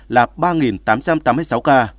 là ba tám trăm tám mươi sáu ca